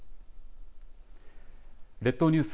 列島ニュース